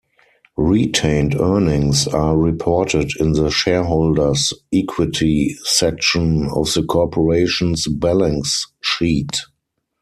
Retained earnings are reported in the shareholders' equity section of the corporation's balance sheet.